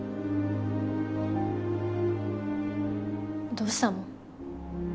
どうしたの？